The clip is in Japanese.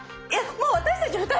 もう私たち２人？